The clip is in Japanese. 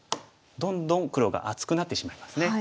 どんどん黒が厚くなってしまいますね。